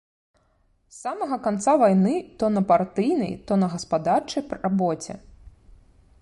З самага канца вайны то на партыйнай, то на гаспадарчай рабоце.